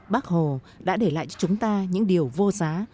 bác hồ đã để lại cho chúng ta những điều vô giá